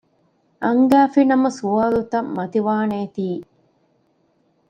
އަންގައިފި ނަމަ ސުވާލުތައް މަތިވާނޭތީ